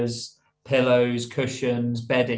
dalam percaya anggaran carbonendar masati